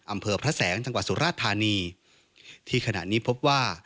อำเภอพระแสงจังหวัดสุราชธานีที่ขณะนี้พบว่า